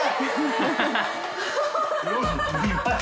ハハハ